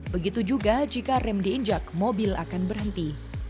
begitu juga jika rem diinjak mobil akan berhenti